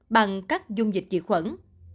bằng các dung dịch dị khuẩn